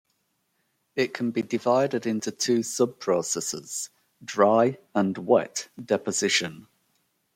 It can be divided into two sub-processes: "dry" and "wet" deposition.